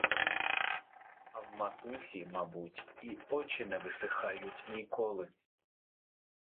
А в матусі, мабуть, і очі не висихають ніколи.